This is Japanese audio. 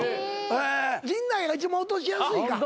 陣内が一番落としやすいか。